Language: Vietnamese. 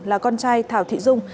là con trai thảo thị dung